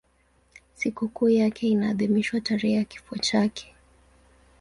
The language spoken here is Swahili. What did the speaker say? Sikukuu yake inaadhimishwa tarehe ya kifo chake.